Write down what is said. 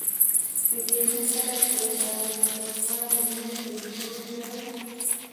د ډیلي خلکو د داراشکوه د مړي په لیدو ژړل.